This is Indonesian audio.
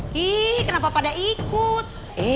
he kenapa pada ikut